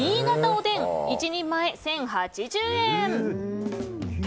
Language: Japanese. おでん、１人前１０８０円。